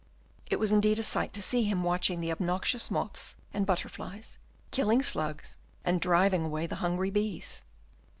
It was indeed a sight to see him watching the obnoxious moths and butterflies, killing slugs, and driving away the hungry bees.